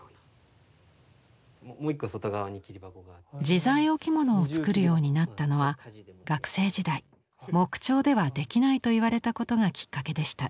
自在置物を作るようになったのは学生時代木彫ではできないと言われたことがきっかけでした。